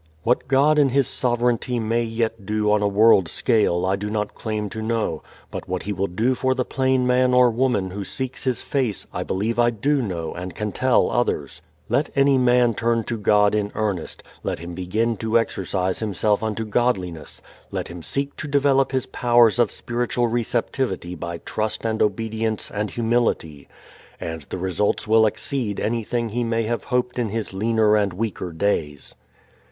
What God in His sovereignty may yet do on a world scale I do not claim to know: but what He will do for the plain man or woman who seeks His face I believe I do know and can tell others. Let any man turn to God in earnest, let him begin to exercise himself unto godliness, let him seek to develop his powers of spiritual receptivity by trust and obedience and humility, and the results will exceed anything he may have hoped in his leaner and weaker days.